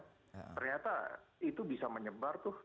ternyata itu bisa menyebar tuh